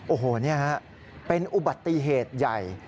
โอ้โหนี่ฮะเป็นอุบัติเหตุใหญ่